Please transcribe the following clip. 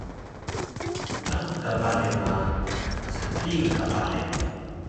Klaun ta bale ma snhiyun ta bale